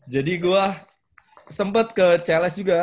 jadi gue sempet ke cls juga